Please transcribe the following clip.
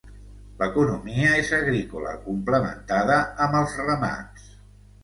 L'economia és agrícola complementada amb els remats.